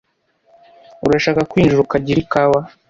Urashaka kwinjira ukagira ikawa?